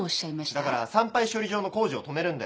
だから産廃処理場の工事を止めるんだよ。